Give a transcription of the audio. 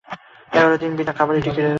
এগারো দিন বিনা খাবারেই টিকে রয়েছে।